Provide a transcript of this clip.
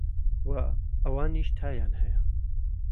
وە ئەوانیش تایان هەیە